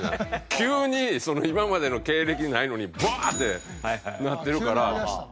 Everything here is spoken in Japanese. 急に今までの経歴ないのにバーッてなってるから。